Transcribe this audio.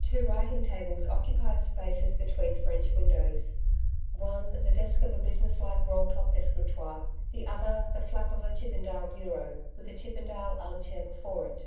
Two writing tables occupied spaces between French windows one the desk of a business like roll top escritoire; the other, the flap of a Chippendale bureau, with a Chippendale arm chair before it.